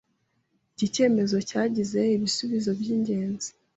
Iki cyemezo cyagize ibisubizo byingenzi.